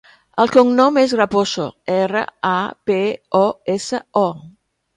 El cognom és Raposo: erra, a, pe, o, essa, o.